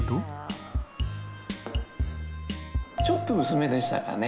ちょっと薄めでしたかね。